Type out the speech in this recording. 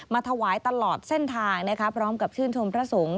ถวายตลอดเส้นทางนะคะพร้อมกับชื่นชมพระสงฆ์